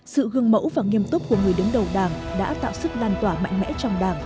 sự gương mẫu và nghiêm túc của người đứng đầu đảng đã tạo sức lan tỏa mạnh mẽ trong đảng